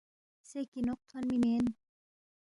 سے کینوق تھونمی مین